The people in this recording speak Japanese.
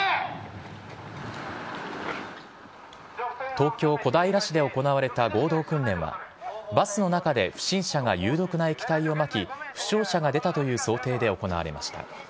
東京・小平市で行われた合同訓練はバスの中で不審者が有毒な液体をまき負傷者が出たという想定で行われました。